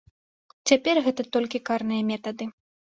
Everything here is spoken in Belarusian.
Цяпер гэта толькі карныя метады.